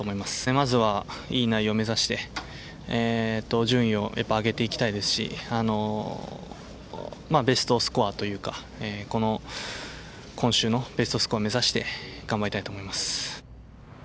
まずはいい内容を目指して順位を上げていきたいですしベストスコアというか、今週のベストスコアを目指して頑張りたいと思います。